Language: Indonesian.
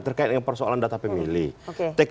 terkait persoalan data pemilih